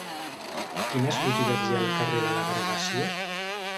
Quines botigues hi ha al carrer de l'Agregació?